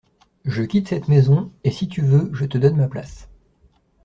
Je quitte cette maison, et, si tu veux, je te donne ma place.